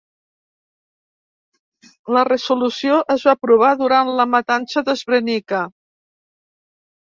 La resolució es va aprovar durant la matança de Srebrenica.